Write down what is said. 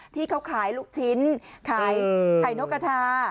ที่เขาขายลูกชิ้นขายไข่นกกระทา